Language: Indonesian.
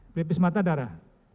pelipis mata darah